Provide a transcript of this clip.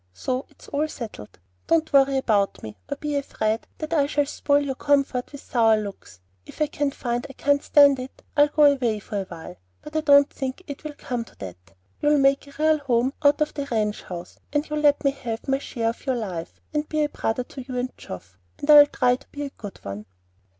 So it's all settled. Don't worry about me, or be afraid that I shall spoil your comfort with sour looks. If I find I can't stand it, I'll go away for a while; but I don't think it'll come to that. You'll make a real home out of the ranch house, and you'll let me have my share of your life, and be a brother to you and Geoff; and I'll try to be a good one."